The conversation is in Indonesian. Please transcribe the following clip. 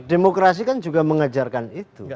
demokrasi kan juga mengajarkan itu